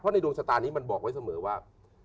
ในดวงชะตานี้มันบอกไว้เสมอว่า